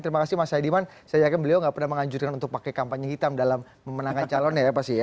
terima kasih mas saidiman saya yakin beliau tidak pernah menganjurkan untuk pakai kampanye hitam dalam memenangkan calon